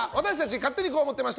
勝手にこう思ってました！